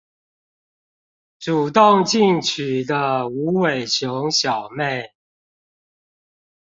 主動進取的無尾熊小妹